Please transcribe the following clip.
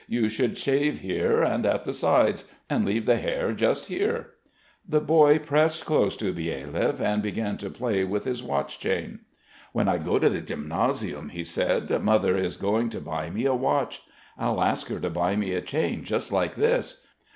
You should shave here, and at the sides ... and leave the hair just here." The boy pressed close to Byelyaev and began to play with his watch chain. "When I go to the gymnasium," he said, "Mother is going to buy me a watch. I'll ask her to buy me a chain just like this.